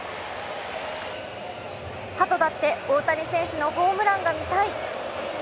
ハトだって大谷選手のホームランが見たい！